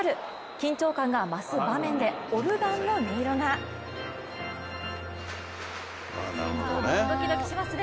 緊張感が増す場面でオルガンの音色がドキドキしますね。